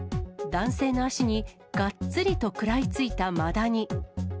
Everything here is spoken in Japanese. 男性の足にがっつりと食らいついたマダニ。